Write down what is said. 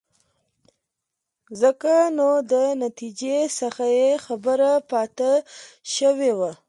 ځکه نو د نتیجې څخه بې خبره پاتې شوی وو.